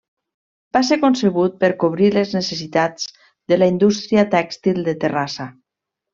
Va ser concebut per cobrir les necessitats de la indústria tèxtil de Terrassa.